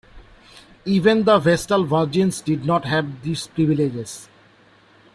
Even the vestal virgins did not have this privilege.